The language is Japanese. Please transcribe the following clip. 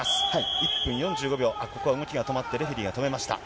１分４５秒、ここが動きが止まって、レフェリーが止めました。